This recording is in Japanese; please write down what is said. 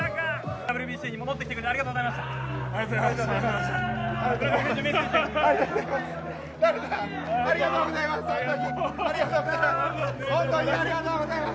ＷＢＣに戻ってきてくれてありがありがとうございます。